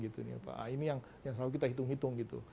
ini yang selalu kita hitung hitung